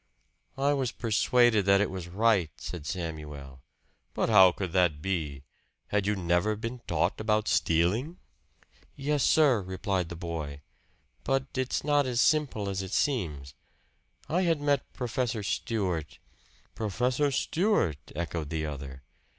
"I was persuaded that it was right," said Samuel. "But how could that be? Had you never been taught about stealing?" "Yes, sir," replied the boy "but it's not as simple as it seems. I had met Professor Stewart " "Professor Stewart!" echoed the other.